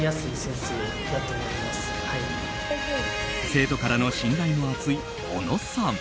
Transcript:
生徒からの信頼も厚いおのさん。